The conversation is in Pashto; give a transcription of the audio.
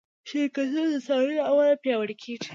شرکتونه د سیالۍ له امله پیاوړي کېږي.